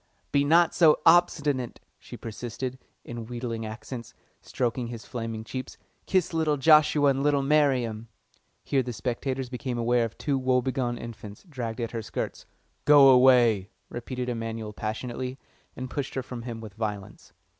"Be not so obstinate," she persisted, in wheedling accents, stroking his flaming cheeks. "Kiss little Joshua and little Miriam." Here the spectators became aware of two woebegone infants dragging at her skirts. "Go away!" repeated Emanuel passionately, and pushed her from him with violence.